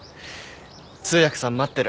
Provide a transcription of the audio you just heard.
通訳さん待ってる。